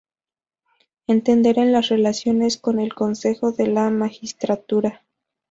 Entender en las relaciones con el Consejo de la Magistratura.